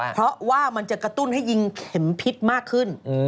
เพราะว่ามันจะกระตุ้นให้ยิงเข็มพิษมากขึ้น